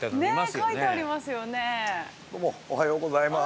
◆どうも、おはようございます。